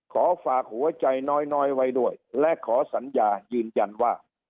ขอฝากหัวใจน้อยไว้ด้วยและขอสัญญายืนยันว่า